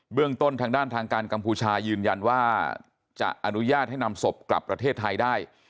เรื่องต้นทางด้านทางการกัมพูชายืนยันว่าจะอนุญาตให้นำศพกลับประเทศไทยได้